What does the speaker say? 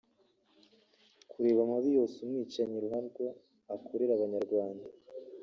Kureba amabi yose umwicanyi ruharwa akorera abanyarwanda